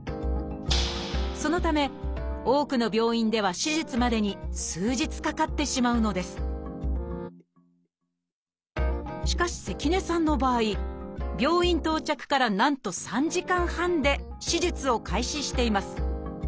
そのため多くの病院では手術までに数日かかってしまうのですしかし関根さんの場合病院到着からなんと３時間半で手術を開始しています。